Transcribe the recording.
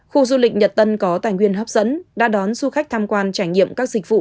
khu du lịch nhật tân có tài nguyên hấp dẫn đã đón du khách tham quan trải nghiệm các dịch vụ